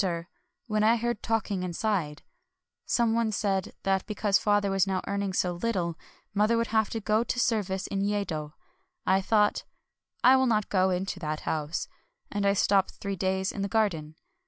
THE REBIRTH OF KATSUGORO 283 when I heard talking inside : some one said that because father was now earning so little, mother would have to go to service in Yedo. I thought, " I will not go into that house ;" and I stopped three days in the garden.